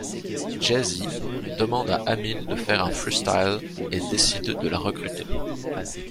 Jay-Z demande à Amil de faire un freestyle et décide de la recruter.